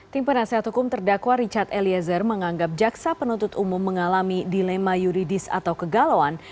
tim penasehat hukum terdakwa richard eliezer menganggap jaksa penuntut umum mengalami dilema yuridis atau kegalauan